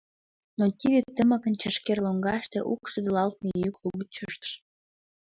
Но тиде тымыкым чашкер лоҥгаште укш тодылалтме йӱк лугыч ыштыш.